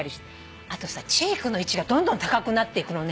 あとさチークの位置がどんどん高くなっていくのね。